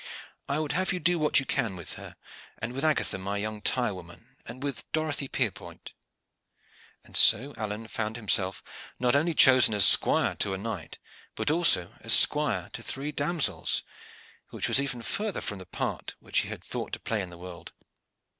I would have you do what you can with her, and with Agatha my young tire woman, and with Dorothy Pierpont." And so Alleyne found himself not only chosen as squire to a knight but also as squire to three damosels, which was even further from the part which he had thought to play in the world.